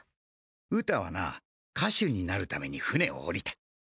「ウタはな歌手になるために船を下りた」